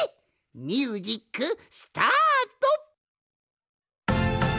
ミュージックスタート！